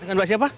dengan mbak siapa